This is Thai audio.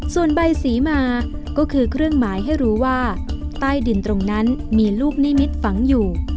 ส่วนใบสีมาก็คือเครื่องหมายให้รู้ว่าใต้ดินตรงนั้นมีลูกนิมิตรฝังอยู่